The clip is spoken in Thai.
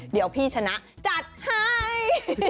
เดี๋ยวพี่ชนะจัดให้